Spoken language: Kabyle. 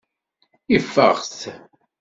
Ifeɣ-t.